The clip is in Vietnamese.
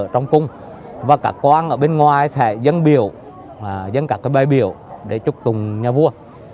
trong cung và các quang ở bên ngoài sẽ dân biểu dân các bài biểu để chúc mừng nhà vua